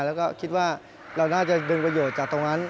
แล้วก็คิดว่าเราน่าจะดึงประโยชน์จากตรงนั้น